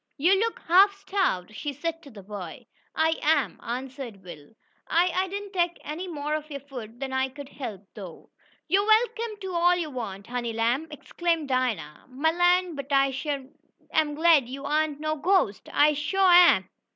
"You look half starved," she said to the boy. "I am," answered Will. "I I didn't take any more of your food than I could help, though." "Yo' am welcome to all yo' want, honey lamb!" exclaimed Dinah. "Mah land, but I shuah am glad yo' ain't no ghostest! I shuah am!"